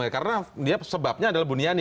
karena dia sebabnya adalah bu niani